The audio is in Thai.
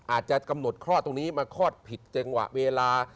อาจจะกำหนดคลอดตรงนี้มาคลอดผิดจังหวะเวลา